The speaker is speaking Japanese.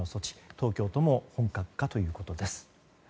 東京都も本格化ということです。